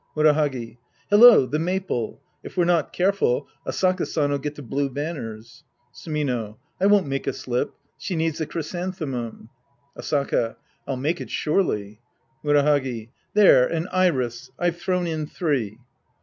Murahagi. Hello, the maple ! If we're not care ful, Asaka San'll get the blue banners. Sumino. I won't make a slip. She needs the chrysanthemum. Asaka. I'll make it surely. Murahagi. There, an iris. I've thrown in three.